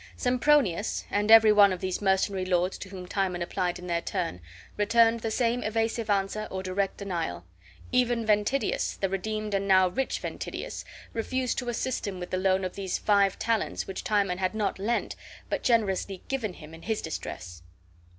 Sempronius, and every one of these mercenary lords to whom Timon applied in their turn, returned the same evasive answer or direct denial; even Ventidius, the redeemed and now rich Ventidius, refused to assist him with the loan of those five talents which Timon had not lent but generously given him in his distress.